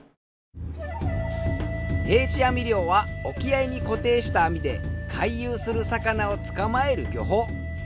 定置網漁は沖合に固定した網で回遊する魚を捕まえる漁法。